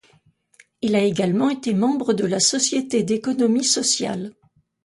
Il a également été membre de la Société d'économie sociale.